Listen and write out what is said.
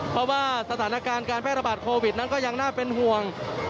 เพราะว่าสถานการณ์การแพร่ระบาดโควิดนั้นก็ยังน่าเป็นห่วง